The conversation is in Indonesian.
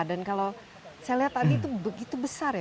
dan kalau saya lihat tadi itu begitu besar ya